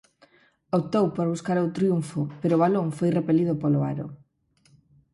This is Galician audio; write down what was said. Optou por buscar o triunfo, pero o balón foi repelido polo aro.